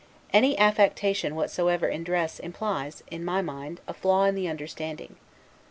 Any affectation whatsoever in dress implies, in my mind, a flaw in the understanding.